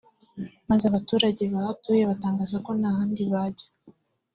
maze abaturage bahatuye batangaza ko nta handi bajya